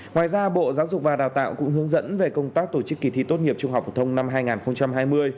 ngoài ra bộ giáo dục và đào tạo cũng hướng dẫn về công tác tổ chức kỳ thi tốt nghiệp trung học phổ thông năm hai nghìn hai mươi